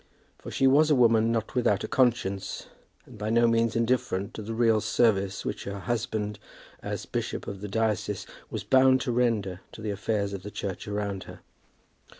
For she was a woman not without a conscience, and by no means indifferent to the real service which her husband, as bishop of the diocese, was bound to render to the affairs of the Church around her.